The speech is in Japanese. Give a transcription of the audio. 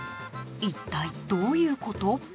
一体どういうこと？